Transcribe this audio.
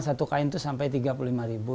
satu kain itu sampai tiga puluh lima ribu